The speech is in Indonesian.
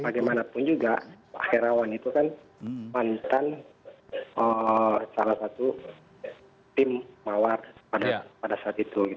bagaimanapun juga pak herawan itu kan mantan salah satu tim mawar pada saat itu